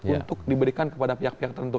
untuk diberikan kepada pihak pihak tertentu